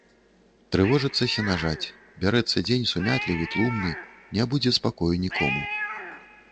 Трывожыцца сенажаць, бярэцца дзень сумятлівы, тлумны, не будзе спакою нікому.